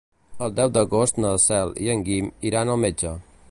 El deu d'agost na Cel i en Guim iran al metge.